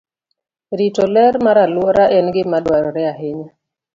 Rito ler mar alwora en gima dwarore ahinya.